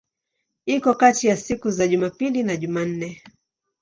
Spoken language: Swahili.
Iko kati ya siku za Jumapili na Jumanne.